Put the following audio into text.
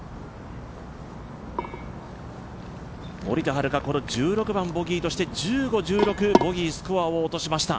森田遥１６番ボギーとして、１５１６ボギー、スコアを落としました。